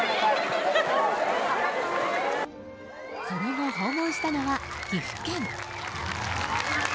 その後訪問したのは岐阜県。